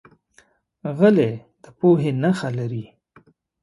غلی، د پوهې نښه لري.